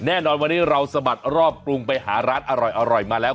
แน่นอนวันนี้เราสะบัดรอบกรุงไปหาร้านอร่อยมาแล้ว